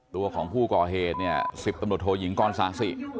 ตัวของผู้ก่อเหตุ๑๐ตำรวจโทยหญิงก้อนสะสิ